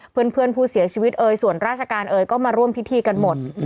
เพื่อนผู้เสียชีวิตเอ่ยส่วนราชการเอยก็มาร่วมพิธีกันหมด